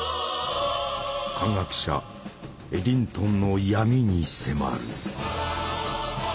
科学者エディントンの「闇」に迫る。